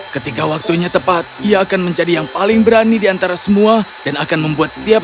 ketika waktunya tepat ia akan menjadi yang paling berani diantara semua dan akan membuat setiap